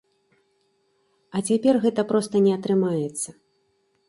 А цяпер гэта проста не атрымаецца.